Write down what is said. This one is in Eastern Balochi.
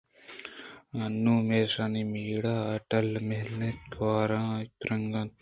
آنوں میشانی میہٹر ءَ ٹِلّ مِل اَت ءُ گوٛر آہاں تَرّگ ءَ اَت